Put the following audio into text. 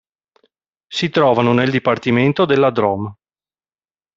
Si trovano nel dipartimento della Drôme.